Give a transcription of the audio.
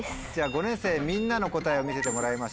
５年生みんなの答えを見せてもらいましょう。